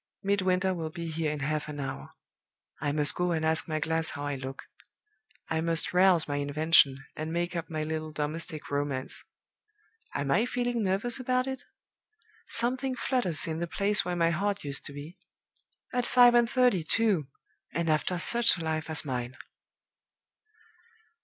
Midwinter will be here in half an hour. I must go and ask my glass how I look. I must rouse my invention, and make up my little domestic romance. Am I feeling nervous about it? Something flutters in the place where my heart used to be. At five and thirty, too! and after such a life as mine!"